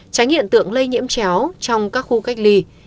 tránh hiện tượng lây nhiễm chéo trong các khu cách ly